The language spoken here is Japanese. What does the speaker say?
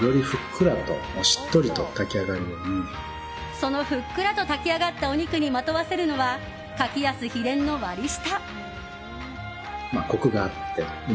そのふっくらと炊き上がったお肉にまとわせるのは柿安秘伝の割り下。